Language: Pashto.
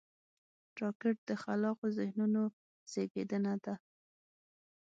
راکټ د خلاقو ذهنونو زیږنده ده